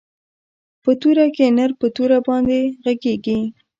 په توره کښې نر په توره باندې ږغېږي.